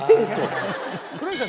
黒柳さん